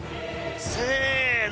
せの！